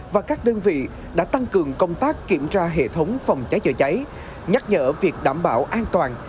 và các đơn vị đã tăng cường công tác kiểm tra hệ thống phòng cháy chữa cháy nhắc nhở việc đảm bảo an toàn